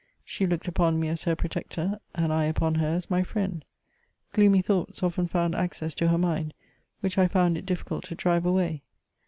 She looked upon me as her protector, and I upon her as my friend. Gloomy thoughts often found access to her mind, which I found it difficult to drive away.